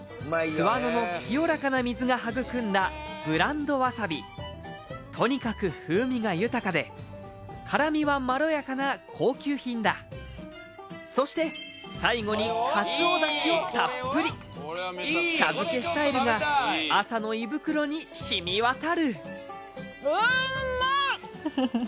津和野の清らかな水が育んだブランドわさびとにかく風味が豊かで辛みはまろやかな高級品だそして最後にをたっぷり茶漬けスタイルが朝の胃袋にしみわたるうんまっ！